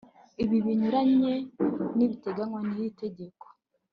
ibi binyuranye n’ibiteganywa n’iri tegeko